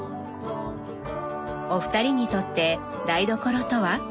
お二人にとって台所とは？